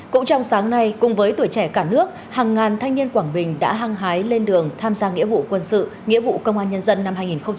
cũng trong sáng nay cùng với tuổi trẻ cả nước hàng ngàn thanh niên quảng bình đã hăng hái lên đường tham gia nghĩa vụ quân sự nghĩa vụ công an nhân dân năm hai nghìn hai mươi ba